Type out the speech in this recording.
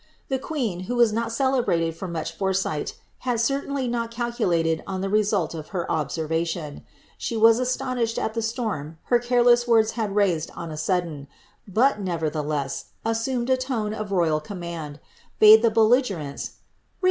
The queen, who was not celebrated for much foresight, had certainly not calculated on the result of her observation. She was astonished at the storm her careless words had raised on a sodden; but, neverthdesc, assumed a tone of royal command, bade the MliQ; sc«CL\» ^^tccdaso^wi 26* u 306 NE OF DE.